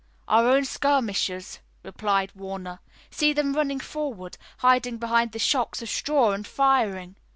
"Our own skirmishers," replied Warner. "See them running forward, hiding behind the shocks of straw and firing!"